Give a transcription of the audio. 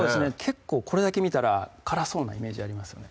結構これだけ見たら辛そうなイメージありますよね